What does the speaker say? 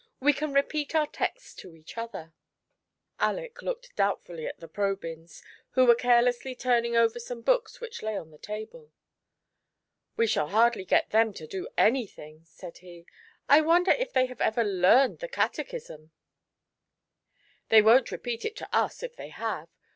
" We can repeat our texts to each other." Aleck looked doubtfully at the Probyns, who were carelessly turning over some books which lay on the table. *'We shall hardly get them to do anything," said he. I wonder if they have ever learned the Catechism ?"" They won't repeat it to us, if they have.